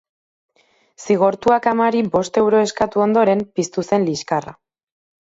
Zigortuak amari bost euro eskatu ondoren piztu zen liskarra.